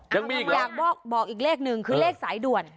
ยังมีอีกหรออยากบอกอีกเลขนึงคือเลขสายด่วน